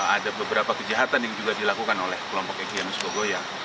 ada beberapa kejahatan yang juga dilakukan oleh kelompok egyanus kogoya